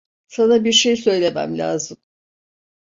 Sana bir şey söylemem lazım.